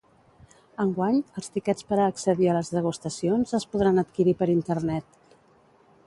Enguany, els tiquets per a accedir a les degustacions es podran adquirir per internet.